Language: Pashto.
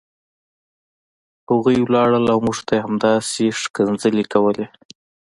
هغوی لاړل او موږ ته یې همداسې کنځلې کولې